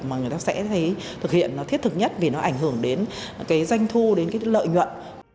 mà người ta sẽ thực hiện thiết thực nhất vì nó ảnh hưởng đến doanh thu đến lợi nhuận